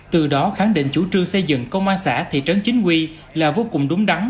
từ đó khẳng định chủ trương xây dựng công an xã thị trấn chính quy là vô cùng đúng đắn